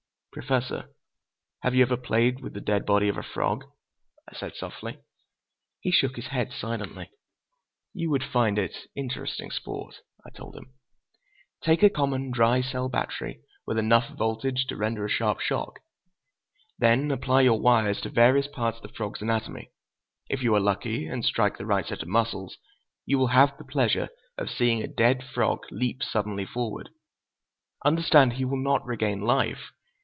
"Professor, have you ever played with the dead body of a frog?" I said softly. He shook his head silently. "You would find it interesting sport," I told him. "Take a common dry cell battery with enough voltage to render a sharp shock. Then apply your wires to various parts of the frog's anatomy. If you are lucky, and strike the right set of muscles, you will have the pleasure of seeing a dead frog leap suddenly forward. Understand, he will not regain life.